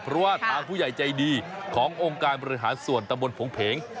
เพราะว่าทางผู้ใหญ่ใจดีขององค์การบริหารส่วนตำบลผงเพง